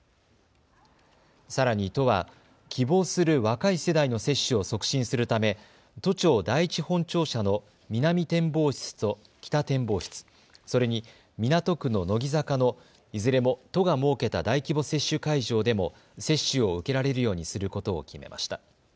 さらに都は希望する若い世代の接種を促進するため都庁第一本庁舎の南展望室と北展望室、それに港区の乃木坂のいずれも都が設けた大規模接種会場でも接種を受けられるようにすることを決めました。